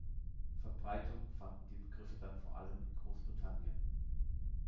Verbreitung fanden die Begriffe dann vor allem in Großbritannien.